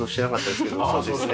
そうですか。